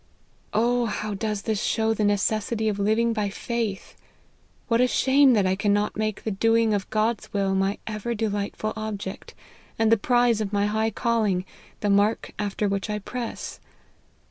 Oh ! how does this show the necessity of living by faith ! What a shame that I cannot make the doing of God's will my ever delightful object, and the prize of my high calling the mark after which I press